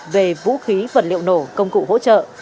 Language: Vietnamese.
về vũ khí vật liệu nổ công cụ hỗ trợ